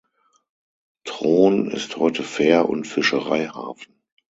Troon ist heute Fähr- und Fischereihafen.